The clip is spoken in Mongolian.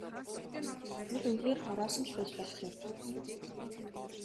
Эсвэл үнэхээр хороосон ч байж болох юм.